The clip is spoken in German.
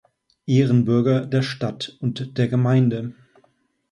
Ehrenbürger der Stadt und der Gemeinde.